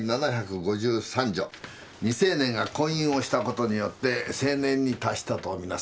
未成年が婚姻をしたことによって成年に達したと見なす」